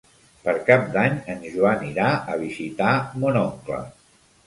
Per Cap d'Any en Joan irà a visitar mon oncle.